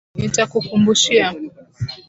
Nitakukumbushia.